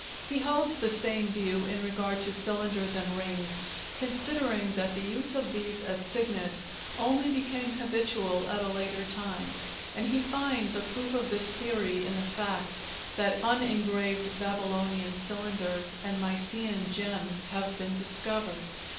He holds the same view in regard to cylinders and rings, considering that the use of these as signets only became habitual at a later time, and he finds a proof of this theory in the fact that unengraved Babylonian cylinders and Mycenean gems have been discovered.